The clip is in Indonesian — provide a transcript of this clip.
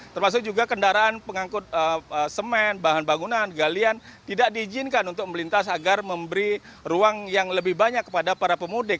termasuk juga kendaraan pengangkut semen bahan bangunan galian tidak diizinkan untuk melintas agar memberi ruang yang lebih banyak kepada para pemudik